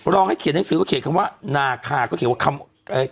ให้เขียนหนังสือก็เขียนคำว่านาคาก็เขียนว่าคำ